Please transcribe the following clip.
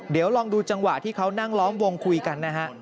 เดี๋ยวลองดูจังหวะที่เขานั่งล้อมวงคุยกันนะฮะ